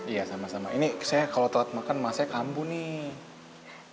iya sama sama ini saya kalau telat makan emasnya kambuh nih